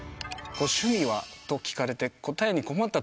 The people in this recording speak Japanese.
「ご趣味は？」と聞かれて困った？